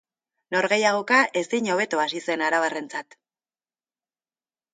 Norgehiagoka ezin hobeto hasi zen arabarrentzat.